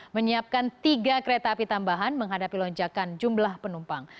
menyiapkan tiga kereta api tambahan menghadapi lonjakan jumlah penumpang